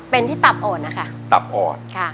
เป็นที่ตับอ่อนนะคะ